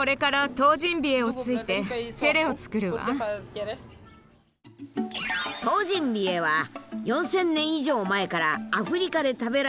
トウジンビエは４，０００年以上前からアフリカで食べられているという雑穀。